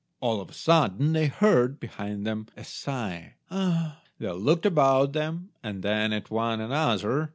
All of a sudden they heard, behind them, a sigh— "Ah!" They looked about them, and then at one another.